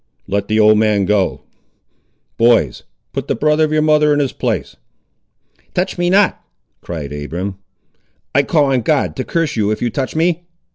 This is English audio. Let the old man go. Boys, put the brother of your mother in his place." "Touch me not!" cried Abiram. "I'll call on God to curse you if you touch me!"